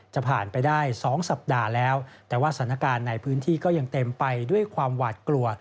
จะผ่านไปได้๒สัปดาห์แล้วแต่ว่าสถานการณ์ในพื้นที่ก็ยังเต็มไปด้วยความหวาดกลัว